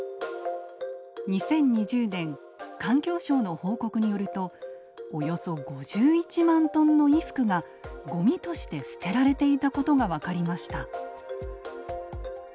２０２０年環境省の報告によるとおよそ５１万トンの衣服がごみとして捨てられていたことが分かりました。